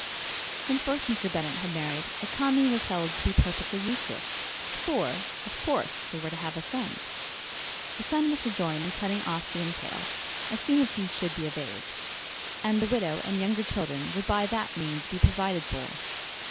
When first Mr. Bennet had married, economy was held to be perfectly useless; for, of course, they were to have a son. This son was to join in cutting off the entail, as soon as he should be of age, and the widow and younger children would by that means be provided for.